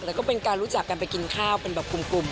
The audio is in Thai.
แล้วก็เป็นการรู้จักกันไปกินข้าวเป็นแบบกลุ่ม